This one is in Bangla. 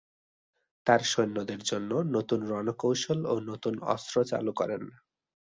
তার সৈন্যদের জন্য নতুন রণকৌশল ও নতুন অস্ত্র চালু করেন।